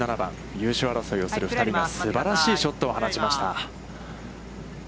優勝争いをする２人がすばらしいショットを放ちました。